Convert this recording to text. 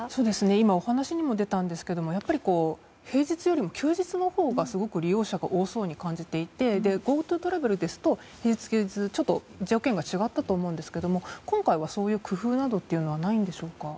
今、お話にも出ましたがやっぱり平日より休日のほうがすごく利用者が多そうに感じていてＧｏＴｏトラベルですと平日、休日の条件が違ったと思いますが今回はそういう工夫などはないんでしょうか。